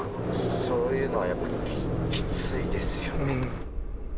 そういうのはやっぱりきついですよね。